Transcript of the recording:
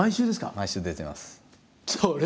毎週出てます。